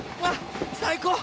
最高！